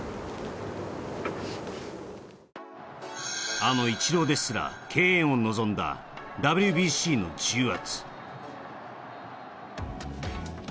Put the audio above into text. あのイチローですら敬遠を望んだＷＢＣの重圧。